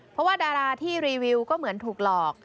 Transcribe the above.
เพราะว่าดาราที่รีวิวก็เหมือนถูกหลอก